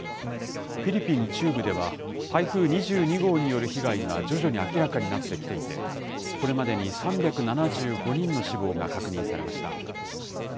フィリピン中部では、台風２２号による被害が徐々に明らかになってきていて、これまでに３７５人の死亡が確認されました。